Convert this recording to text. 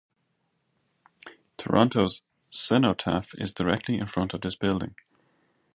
Toronto's Cenotaph is directly in front of this building.